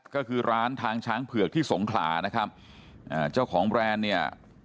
ก็คือร้านทางช้างเผือกที่สงขลานะครับอ่าเจ้าของแบรนด์เนี่ย